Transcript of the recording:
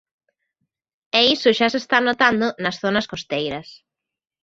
E iso xa se está notando nas zonas costeiras.